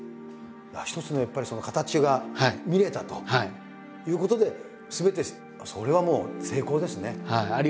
一つのやっぱり形が見れたということですべてそれはもう成功ですね。